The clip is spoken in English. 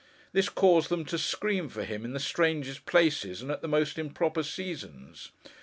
This caused them to scream for him, in the strangest places, and at the most improper seasons.